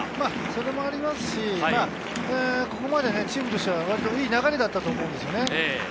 それもありますし、ここまでチームとしては割といい流れだったと思うんですよね。